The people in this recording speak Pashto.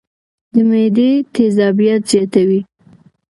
د معدې تېزابيت زياتوي